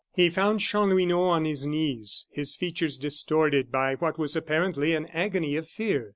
He found Chanlouineau on his knees, his features distorted by what was apparently an agony of fear.